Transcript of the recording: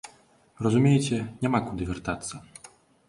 Разумееце, няма куды вяртацца.